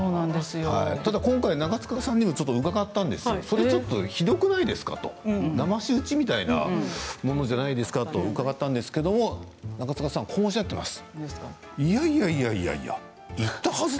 ただ今回長塚さんにも伺ったんですがちょっとひどくないですかだまし討ちみたいなものじゃないですかと伺ったんですけど長塚さんはこんなふうにおっしゃっています。